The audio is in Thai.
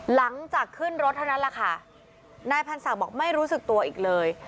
หลังจากขึ้นรถเท่านั้นแหละค่ะนายพันธ์ศักดิ์บอกไม่รู้สึกตัวอีกเลย